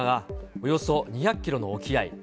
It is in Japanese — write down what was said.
およそ２００キロの沖合。